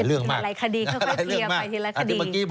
เหลือหลายคดีค่อยพรานงมายขตรี